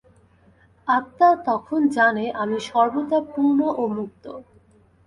আত্মা তখন জানে, আমি সর্বদা পূর্ণ ও মুক্ত।